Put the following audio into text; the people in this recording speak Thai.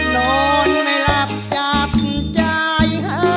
นอนไม่หลับจับใจ